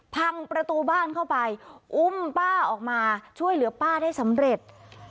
พังประตูบ้านเข้าไปอุ้มป้าออกมาช่วยเหลือป้าได้สำเร็จ